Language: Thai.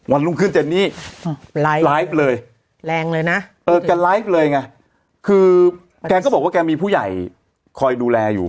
รุ่งขึ้นเจนนี่ไลฟ์ไลฟ์เลยแรงเลยนะเออแกไลฟ์เลยไงคือแกก็บอกว่าแกมีผู้ใหญ่คอยดูแลอยู่